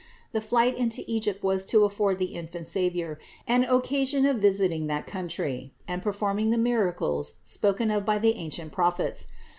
The flight into Egypt was to afford the infant Savior an occasion of visiting that country and perform ing the miracles spoken of by the ancient Prophets.